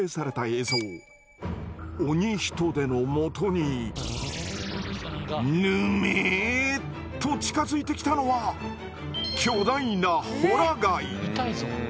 オニヒトデのもとにぬめっと近づいてきたのは巨大なホラガイ。